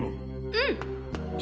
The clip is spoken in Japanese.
うん！